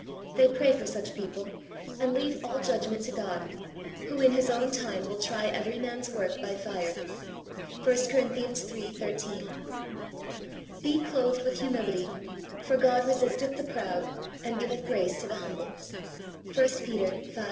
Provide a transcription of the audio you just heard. They pray for such people, and leave all judgment to God, who in His own time will try every man's work by fire (i Cor. iii. 13). ' Be clothed with humility : for God resisteth the proud, and giveth grace to the humble ' (i Peter v.